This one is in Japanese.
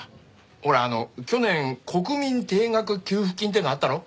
ほらあの去年国民定額給付金ってのあったろ？